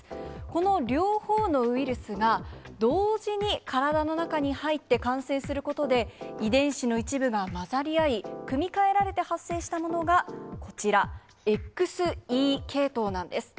この両方のウイルスが、同時に体の中に入って感染することで、遺伝子の一部が混ざり合い、組み換えられて発生したものがこちら、ＸＥ系統なんです。